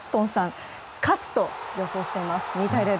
２対０で勝つと予想しています。